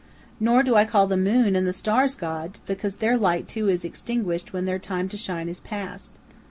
Nor do I call the moon and the stars gods, because their light, too, is extinguished when their time to shine is past.